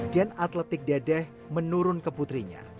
gen atletik dedeh menurun ke putrinya